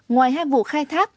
ngoài hai vụ khai thác